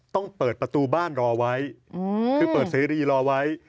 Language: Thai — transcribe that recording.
ต้องเปิดประตูบ้านรอไว้คือเปิดเสรีรอไว้